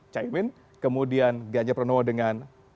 caimin kemudian ganjar pranowo dengan